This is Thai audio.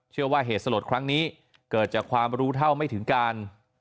ว่าเหตุสลดครั้งนี้เกิดจากความรู้เท่าไม่ถึงการ